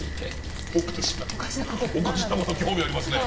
おかしな事興味ありますね。